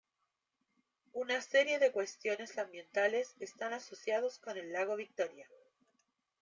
Una serie de cuestiones ambientales están asociados con el Lago Victoria.